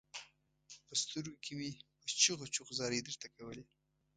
په سترګو کې مې په چيغو چيغو زارۍ درته کولې.